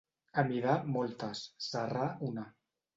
Amidar, moltes; serrar, una.